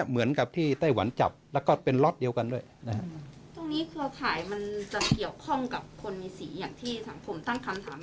อย่างที่สังคมตั้งคำถาม